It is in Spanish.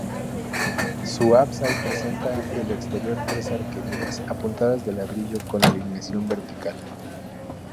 Su ábside presenta el exterior tres arquerías apuntadas de ladrillo con alineación vertical.